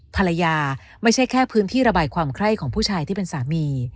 ไม่ใช่แค่พื้นที่ระบายความไข้ของผู้ชายที่เป็นสามี